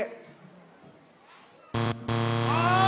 あ！